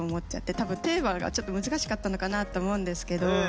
多分テーマがちょっと難しかったのかなと思うんですけど。